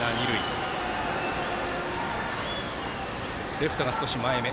レフトが少し前め。